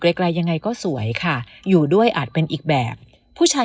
ไกลยังไงก็สวยค่ะอยู่ด้วยอาจเป็นอีกแบบผู้ชาย